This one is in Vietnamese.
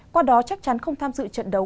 qua đó chắc chắn không tham dự trận đấu